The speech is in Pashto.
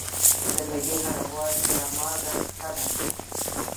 د معدې خرابوالي ته مالګه ښه ده.